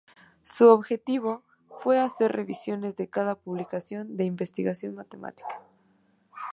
Su objetivo fue hacer revisiones de cada publicación de investigación matemática.